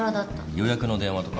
予約の電話とかは？